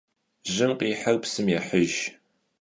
Jım khihır psım yêhıjj.